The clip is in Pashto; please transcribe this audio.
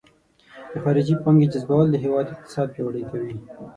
د خارجي پانګونې جذبول د هیواد اقتصاد پیاوړی کوي.